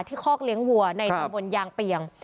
ที่คอกเลี้ยงหัวในตรงบนยางเปียง